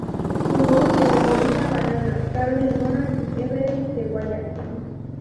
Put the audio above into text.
Jugó en el Bonita Banana, Carmen Mora y Everest de Guayaquil.